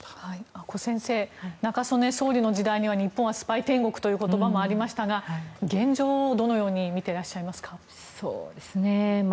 阿古先生中曽根総理の時代は日本はスパイ天国だという指摘もありましたが、現状をどのように見ていらっしゃいますか。